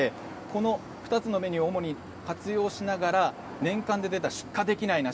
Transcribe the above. この２つのメニューを主に活用しながら年間で出た出荷できない梨